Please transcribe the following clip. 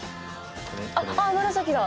ああ紫だ。